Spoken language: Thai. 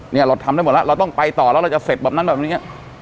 เราทำได้หมดแล้วเราต้องไปต่อแล้วเราจะเสร็จแบบนั้นแบบนี้